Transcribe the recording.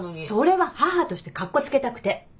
それは母としてかっこつけたくて。